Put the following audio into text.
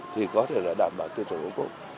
thì có thể là đảm bảo tiêu chuẩn của hồ cốp